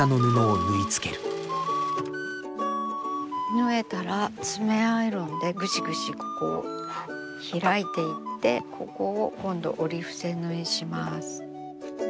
縫えたら爪アイロンでぐしぐしここを開いていってここを今度折り伏せ縫いします。